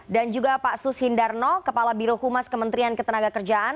dan juga pak sus hindarno kepala birohumas kementerian ketenaga kerjaan